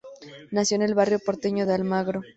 Nació en el barrio porteño de Almagro.